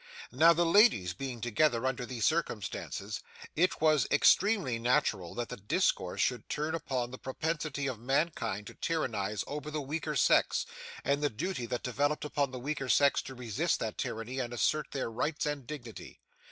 Now, the ladies being together under these circumstances, it was extremely natural that the discourse should turn upon the propensity of mankind to tyrannize over the weaker sex, and the duty that developed upon the weaker sex to resist that tyranny and assert their rights and dignity.